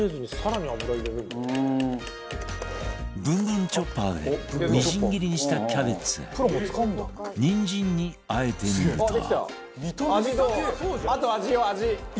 ぶんぶんチョッパーでみじん切りにしたキャベツにんじんにあえてみると